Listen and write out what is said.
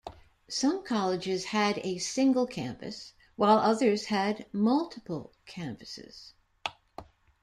Some colleges had a single campus, while others had multiple campuses.